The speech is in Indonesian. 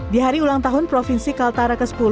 di hari ulang tahun provinsi kaltara ke sepuluh